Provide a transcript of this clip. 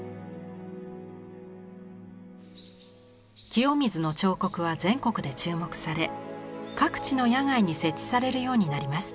清水の彫刻は全国で注目され各地の野外に設置されるようになります。